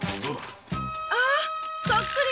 あそっくり。